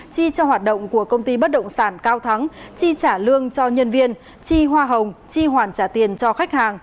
chi cho hoạt động của công ty bất động sản cao thắng chi trả lương cho nhân viên chi hoa hồng chi hoàn trả tiền cho khách hàng